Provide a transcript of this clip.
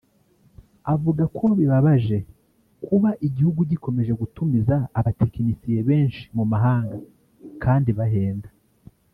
avuga ko bibabaje kuba igihugu gikomeje gutumiza abatekinisiye benshi mu mahanga kandi bahenda